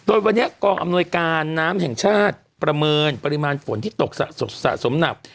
โดยวันนี้กองอำนวยการน้ำแห่งชาติประเมินปริมาณฝนที่ตกสะสมหนัก